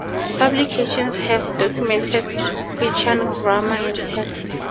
Publications have documented Quechan grammar and texts.